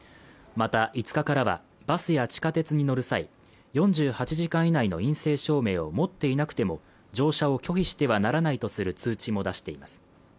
また５日からはバスや地下鉄に乗る際４８時間以内の陰性証明を持っていなくても乗車を拒否してはならないとする通知も出しています